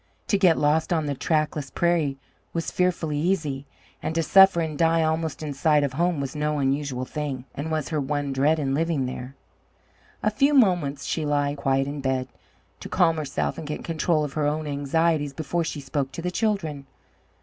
To get lost on the trackless prairie was fearfully easy, and to suffer and die almost in sight of home was no unusual thing, and was her one dread in living there. A few moments she lay quiet in bed, to calm herself and get control of her own anxieties before she spoke to the children.